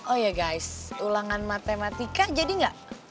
oh ya guys ulangan matematika jadi nggak